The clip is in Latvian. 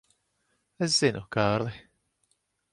Es zinu, Kārli.